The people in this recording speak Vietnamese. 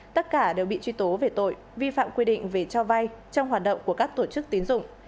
tất cả đều bị truy tố về tội vi phạm quy định về cho vay trong hoạt động của các tổ chức tín dụng